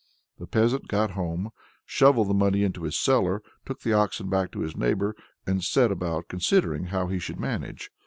The peasant got home, shovelled the money into his cellar, took the oxen back to his neighbor, and set about considering how he should manage.